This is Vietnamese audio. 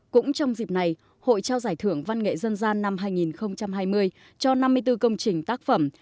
cũng trong dịp này hội trao giải thưởng văn nghệ dân gian năm hai nghìn hai mươi cho năm mươi bốn công trình tác phẩm